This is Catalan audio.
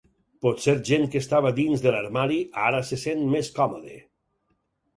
Potser gent que estava dins de l'armari ara se sent més còmode